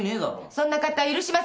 そんな勝手は許しません！